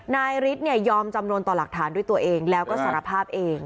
นายฤทธิ์เนี่ยยอมจำนวนต่อหลักฐานด้วยตัวเองแล้วก็สารภาพเอง